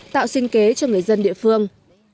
tạo sinh kế cho người dân địa phương